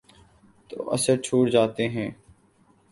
تو اثر چھوڑ جاتے ہیں۔